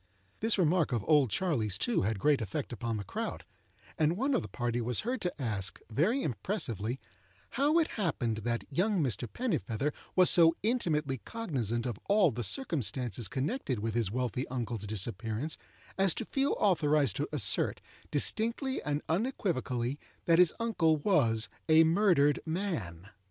This remark of "Old Charley's," too, had great effect upon the crowd; and one of the party was heard to ask, very impressively, "how it happened that young Mr. Pennifeather was so intimately cognizant of all the circumstances connected with his wealthy uncle's disappearance, as to feel authorized to assert, distinctly and unequivocally, that his uncle was 'a murdered man.